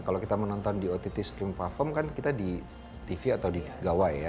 kalau kita menonton di ott stream platform kan kita di tv atau di gawai ya